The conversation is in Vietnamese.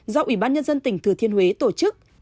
do ủy ban nhân dân tỉnh thừa thiên huế tổ chức